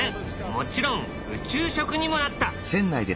もちろん宇宙食にもなった。